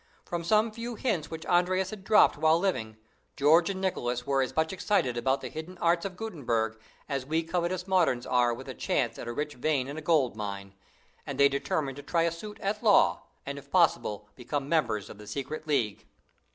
From some few hints which Andreas had dropped while living, George and Nicholas were as much excited about the hidden arts of Gutenberg as we covetous moderns are with a chance at a rich vein in a gold mine; and they determined to try a suit at law, and if possible become members of the secret league.